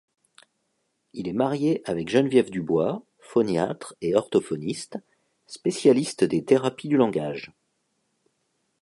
Il est marié avec Geneviève Dubois, phoniatre et orthophoniste, spécialiste des thérapies du langage.